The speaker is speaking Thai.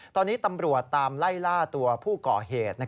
ตอนนี้ตำรวจตามไล่ล่าตัวผู้ก่อเหตุ